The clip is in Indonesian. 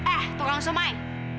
eh tukang somai